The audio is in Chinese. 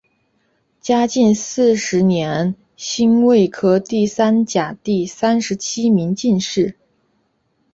嘉靖四十年辛未科第三甲第三十七名进士。